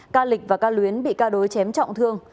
ca lịch và ca luyến bị ca đối chém trọng thương